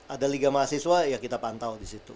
ada liga mahasiswa ya kita pantau disitu